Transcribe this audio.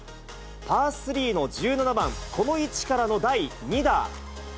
パー３の１７番、この位置からの第２打。